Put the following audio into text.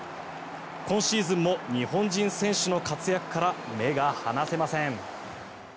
今シーズンも日本人選手の活躍から目が離せません。